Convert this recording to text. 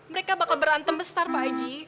mereka bakal berantem besar pak haji